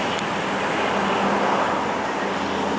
ในกระเป๋าต่างเราจะพูดเยอะก็ไม่ได้อีก